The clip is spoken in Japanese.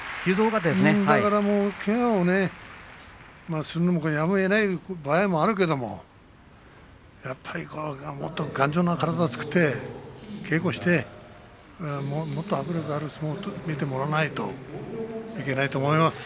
だから、けがをするのもやむをえない場合もあるけれどやっぱりもっと頑丈な体を作って稽古してもっと迫力ある相撲を取ってもらわないといけないと思います。